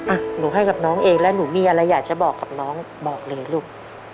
อ่ะหนูให้กับน้องเองแล้วหนูมีอะไรอยากจะบอกกับน้องบอกเลยลูก